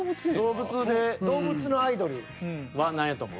動物で動物のアイドル。は何やと思う？